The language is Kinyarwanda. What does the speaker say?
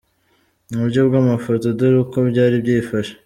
Muburyo bw’amafoto dore uko byari byifashe :.